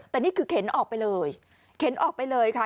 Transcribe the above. แต่นี่คือเข็นออกไปเลยเข็นออกไปเลยค่ะ